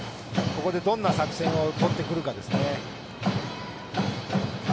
ここでどんな作戦をとるかです。